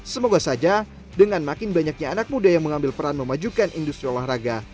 semoga saja dengan makin banyaknya anak muda yang mengambil peran memajukan industri olahraga